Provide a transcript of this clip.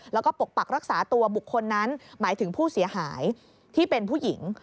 แล้วก็ปกปักรักษาตัวบุคคลนั้นหมายถึงผู้เสียหายที่เป็นผู้หญิง